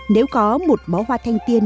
nếu có một bó hoa thanh tiên